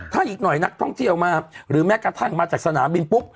ถ้าอีกหน่อยนักท่องเที่ยวมาหรือแม้กระทั่งมาจากสนามบินปุ๊บ